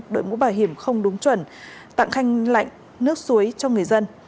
đội mũ bảo hiểm không đúng chuẩn tặng khanh lạnh nước suối cho người dân